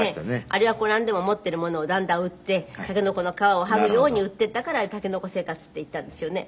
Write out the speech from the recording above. あれはなんでも持っているものをだんだん売って竹の子の皮を剥ぐように売っていったから竹の子生活って言ったんですよね。